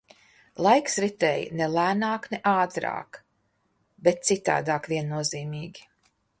Laiks ritēja ne lēnāk, ne ātrāk, bet citādāk viennozīmīgi.